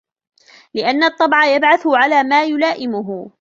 لِأَنَّ الطَّبْعَ يَبْعَثُ عَلَى مَا يُلَائِمُهُ